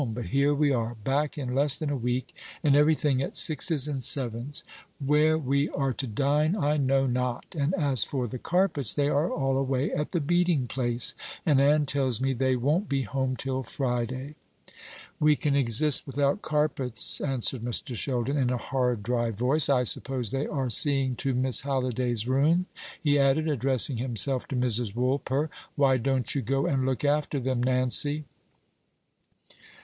But here we are back in less than a week, and everything at sixes and sevens. Where we are to dine I know not; and as for the carpets, they are all away at the beating place, and Ann tells me they won't be home till Friday." "We can exist without carpets," answered Mr. Sheldon, in a hard dry voice. "I suppose they are seeing to Miss Halliday's room?" he added, addressing himself to Mrs. Woolper. "Why don't you go and look after them, Nancy?"